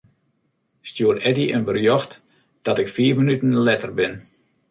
Stjoer Eddy in berjocht dat ik fiif minuten letter bin.